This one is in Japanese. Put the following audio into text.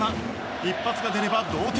一発が出れば同点。